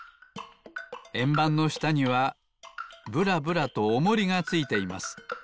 えんばんのしたにはぶらぶらとおもりがついています。